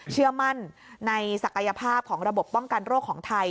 เชื่อมั่นในศักยภาพของระบบป้องกันโรคของไทย